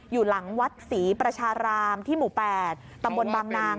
อยู่หลังวัดศรีประชารามที่หมู่๘ตำบลบางนาง